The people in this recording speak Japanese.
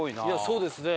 そうですね。